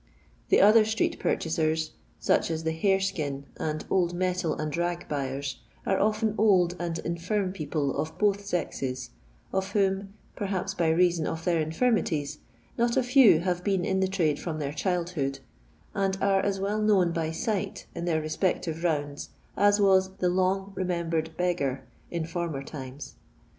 The other street purchasers— foch as the bare skin and old metal and rag buyers, are often old and infirm people of both sexes, of whom — perhaps by reason of their infirmities — not a few have been in the trade from their childhood, and are as well known by sight in their respective rounds, as was the " long remembered beggar " in former times.